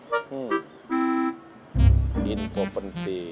alah nggak verste